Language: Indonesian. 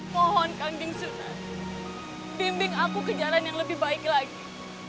mohon kang jingsunan bimbing aku ke jalan yang lebih baik lagi